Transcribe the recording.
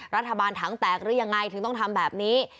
รัฐบาลถังแตกหรือยังไงถึงต้องทำแบบนี้